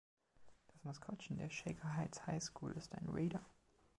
Das Maskottchen der Shaker Heights High School ist ein „Raider“.